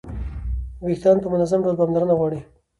ویښتان په منظم ډول پاملرنه غواړي.